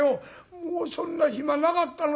「もうそんな暇なかったの。